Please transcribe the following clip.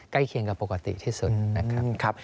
ใกล้เคียงกับปกติที่สุดนะครับ